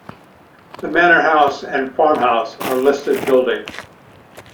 The Manor House and farm house are listed buildings.